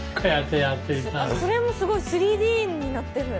それもすごい３Ｄになってる。